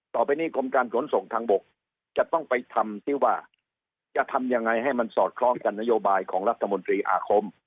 ต่อไปนี้กรมการขนส่งทางบกจะต้องไปทำที่ว่าจะทำยังไงให้มันสอดคล้องกับนโยบายของรัฐมนตรีอาคม